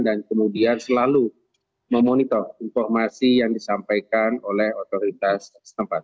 dan kemudian selalu memonitor informasi yang disampaikan oleh otoritas tempat